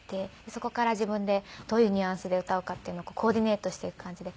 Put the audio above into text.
そこから自分でどういうニュアンスで歌うかっていうのをコーディネートしていく感じで。